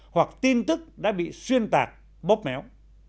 hoặc tin tức đã bị xuyên tạc bóp méo